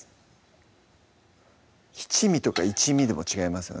七味とか一味でも違いますよね